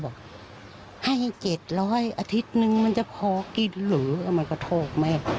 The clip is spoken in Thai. บอกให้เจ็ดร้อยอาทิตย์นึงมันจะพอกินหรือมันก็โทษแม่